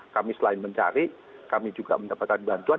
kami selain mencari kami juga mendapatkan bantuan